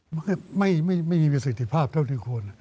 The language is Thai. มันก็ไม่มีวิสิทธิภาพเท่าที่ควร